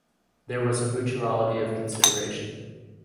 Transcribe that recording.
There was mutuality of consideration.